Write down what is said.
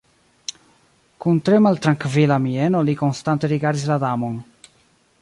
Kun tre maltrankvila mieno li konstante rigardis la Damon.